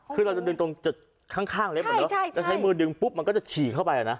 คือเราจะดึงตรงข้างเล็บเหมือนกันใช้มือดึงปุ๊บมันก็จะฉี่เข้าไปแล้วนะ